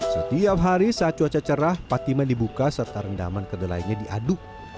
setiap hari saat cuaca cerah patiman dibuka serta rendaman kedelainya diaduk